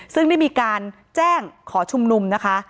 ซึ่งได้มีการแจ้งขอชุมนุมนะคะ